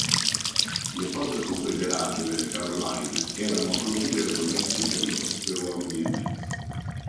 Le forze confederate nelle Caroline erano considerevolmente inferiori per uomini e mezzi.